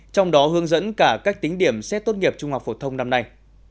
trong đó hướng dẫn cả cách tính điểm xét tốt nghiệp trung học phổ thông năm nay